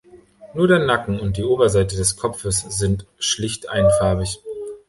Nur der Nacken und die Oberseite des Kopfes sind schlicht einfarbig.